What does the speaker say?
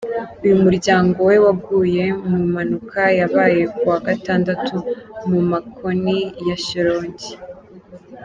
Uyu muryango we waguye mu mpanuka yabaye kuwa gatandatu mu makoni ya Shyorongi.